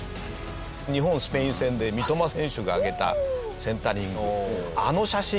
日本スペイン戦で三笘選手が上げたセンタリング。